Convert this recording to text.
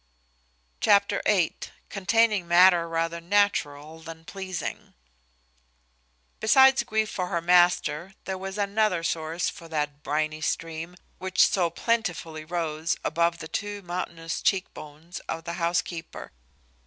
Chapter viii. Containing matter rather natural than pleasing. Besides grief for her master, there was another source for that briny stream which so plentifully rose above the two mountainous cheek bones of the housekeeper.